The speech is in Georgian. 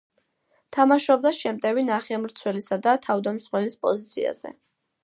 თამაშობდა შემტევი ნახევარმცველისა და თავდამსხმელის პოზიციაზე.